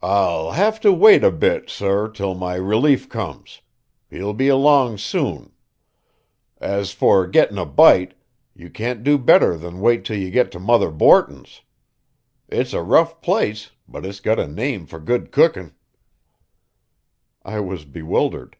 "I'll have to wait a bit, sor, till my relief comes. He'll be along soon. As for getting a bite, you can't do better than wait till you get to Mother Borton's. It's a rough place, but it's got a name for good cooking." I was bewildered.